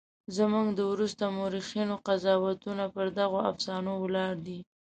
زموږ د وروسته مورخینو قضاوتونه پر دغو افسانو ولاړ دي.